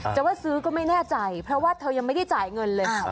จะว่าซื้อก็ไม่แน่ใจเพราะว่าเธอยังไม่ได้จ่ายเงินเลย